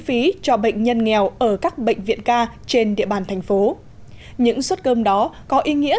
phí cho bệnh nhân nghèo ở các bệnh viện ca trên địa bàn thành phố những suất cơm đó có ý nghĩa